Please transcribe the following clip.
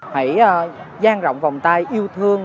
hãy gian rộng vòng tay yêu thương